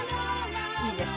いいです。